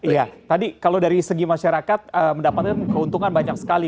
iya tadi kalau dari segi masyarakat mendapatkan keuntungan banyak sekali